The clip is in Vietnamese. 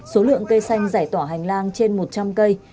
số lượng cây xanh giải tỏa hành lang trên một trăm linh cây